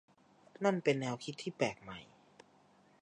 นั่นเป็นแนวคิดที่แปลกใหม่